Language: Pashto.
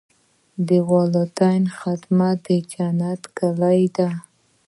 د والدینو خدمت د جنت کلي ده.